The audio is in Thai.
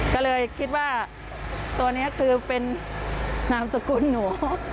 ก็เลยคิดว่าตัวนี้คือเป็นนามสกุลหนู